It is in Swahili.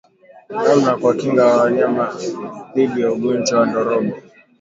Namna ya kuwakinga wanyama dhidi ya ugonjwa wa ndorobo